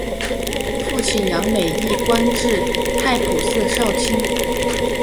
父亲杨美益官至太仆寺少卿。